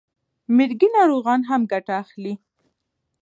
مرګي ناروغان هم ګټه اخلي.